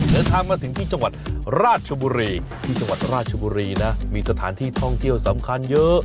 เดินทางมาถึงที่จังหวัดราชบุรีที่จังหวัดราชบุรีนะมีสถานที่ท่องเที่ยวสำคัญเยอะ